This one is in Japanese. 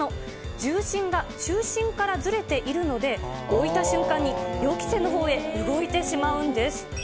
重心が中心からずれているので、置いた瞬間に予期せぬほうへ動いてしまうんです。